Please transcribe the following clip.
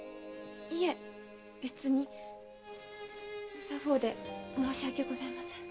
不作法で申し訳ございません。